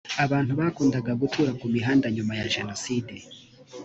abantu bakundaga gutura ku mihanda nyuma ya jenoside